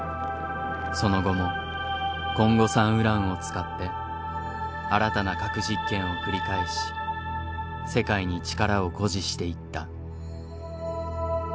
その後もコンゴ産ウランを使って新たな核実験を繰り返し世界に力を誇示していった。